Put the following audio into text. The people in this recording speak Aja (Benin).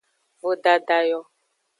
Vodada yo.